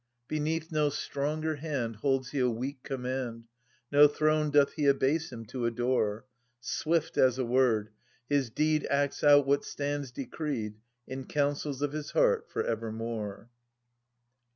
Beneath no stronger hand Holds he a weak command. No throne doth he abase him to adore ; Swift as a word, his deed Acts out what stands decreed In counsels of his heart, for evermore.